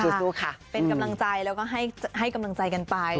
สู้ค่ะเป็นกำลังใจแล้วก็ให้กำลังใจกันไป